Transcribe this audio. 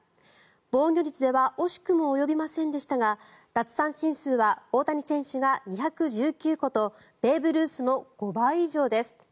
防御率では惜しくも及びませんでしたが奪三振数は大谷選手が２１９個とベーブ・ルースの５倍以上です。